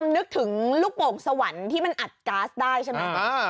นึกถึงลูกโป่งสวรรค์ที่มันอัดก๊าซได้ใช่ไหม